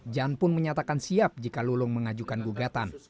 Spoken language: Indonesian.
jan pun menyatakan siap jika lulung mengajukan gugatan